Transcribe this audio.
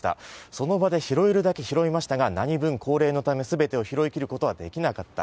その場で拾えるだけ拾いましたが何ぶん高齢のため、全てを拾いきることができなかった。